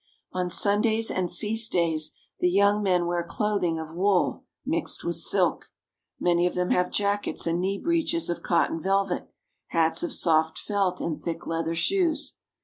On Sundays and feast days the young men wear clothing of wool mixed with silk. Many of them have jackets and knee breeches of cotton velvet, hats of soft felt, and thick leather shoes.